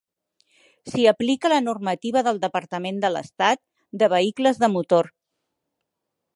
S'hi aplica la normativa del Departament de l'Estat de vehicles de motor.